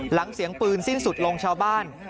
เสียงปืนสิ้นสุดลงชาวบ้าน